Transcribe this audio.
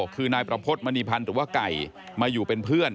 คือนายประพฤติมณีพันธ์หรือว่าไก่มาอยู่เป็นเพื่อน